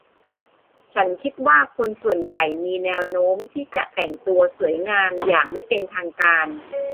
ฉันคิดว่าคนส่วนใหญ่มีแนวโน้มที่จะแต่งตัวสวยงามอย่างไม่เป็นทางการ